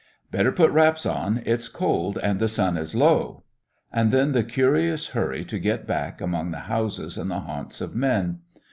"Better put wraps on; it's cold and the sun is low" and then the curious hurry to get back among the houses and the haunts of men.